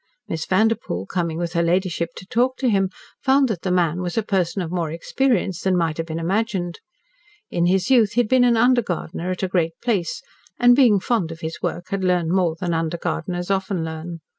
Miss Vanderpoel, coming with her ladyship to talk to him, found that the man was a person of more experience than might have been imagined. In his youth he had been an under gardener at a great place, and being fond of his work, had learned more than under gardeners often learn.